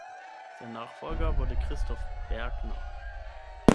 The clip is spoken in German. Sein Nachfolger wurde Christoph Bergner.